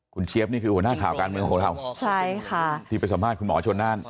คุณเจี๊ยบนี่คือหัวหน้าข่าวการเมืองของเราใช่ค่ะที่ไปสัมภาษณ์คุณหมอชนน่าน